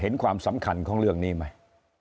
เห็นความสำคัญของเรื่องนี้ไหม